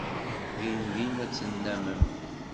Dindin ad t-tennammem.